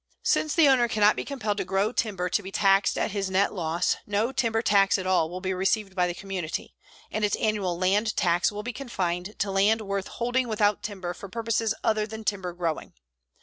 Since the owner cannot be compelled to grow timber to be taxed at his net loss, no timber tax at all will be received by the community and its annual land tax will be confined to land worth holding without timber for purposes other than timber growing.